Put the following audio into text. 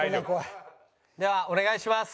ではお願いします。